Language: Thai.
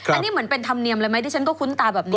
อันนี้เหมือนเป็นธรรมเนียมเลยไหมที่ฉันก็คุ้นตาแบบนี้